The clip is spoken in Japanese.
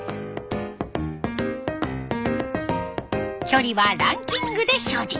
距離はランキングで表示。